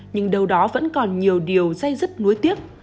nhưng đâu đó vẫn còn nhiều điều dây dứt nối tiếc